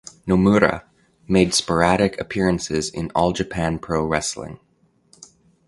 Nomura made sporadic appearances in All Japan Pro Wrestling.